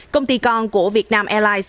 công ty con của vietnam airlines